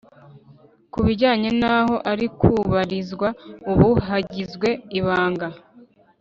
ku bijyanye n'aho ari kubarizwa ubu, hagizwe ibanga